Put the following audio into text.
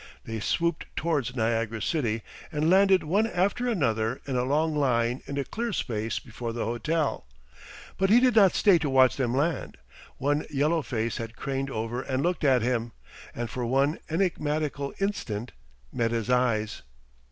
They swooped towards Niagara city and landed one after another in a long line in a clear space before the hotel. But he did not stay to watch them land. One yellow face had craned over and looked at him, and for one enigmatical instant met his eyes....